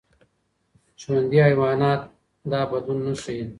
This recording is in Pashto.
ژوندي حیوانات دا بدلون نه ښيي.